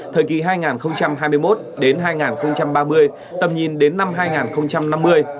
thời kỳ hai nghìn hai mươi một hai nghìn ba mươi tầm nhìn đến năm hai nghìn năm mươi